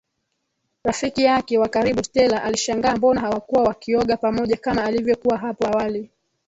Rafiki yake wa karibu Stella alishangaa mbona hawakuwa wakioga pamoja kama ilivyokuwa hapo awali